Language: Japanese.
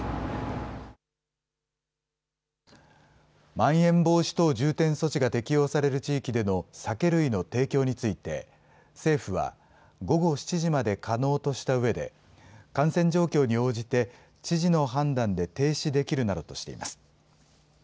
まん延防止等重点措置が適用される地域での酒類の提供について、政府は、午後７時まで可能としたうえで、感染状況に応じて、知事の判断で停止できるなどとしています。